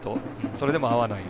それでも合わない。